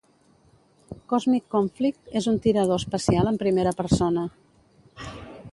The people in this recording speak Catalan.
"Cosmic Conflict" és un tirador espacial en primera persona.